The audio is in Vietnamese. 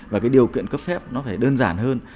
và cái điều kiện cấp phép nó phải đơn giản hơn